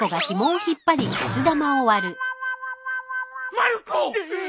まる子っ！